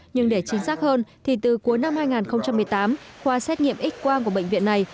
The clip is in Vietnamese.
nhưng để chính xác hơn thì từ cuối năm hai nghìn một mươi tám khoa xét nghiệm x quang của bệnh viện này